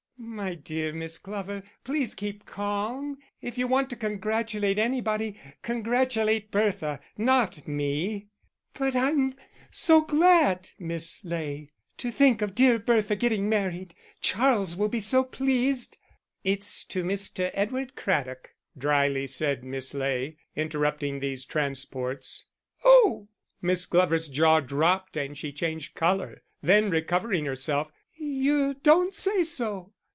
"My dear Miss Glover, please keep calm. And if you want to congratulate anybody, congratulate Bertha not me." "But I'm so glad, Miss Ley. To think of dear Bertha getting married; Charles will be so pleased." "It's to Mr. Edward Craddock," drily said Miss Ley, interrupting these transports. "Oh!" Miss Glover's jaw dropped and she changed colour; then, recovering herself: "You don't say so!"